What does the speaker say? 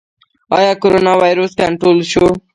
آیا کرونا ویروس کنټرول شو؟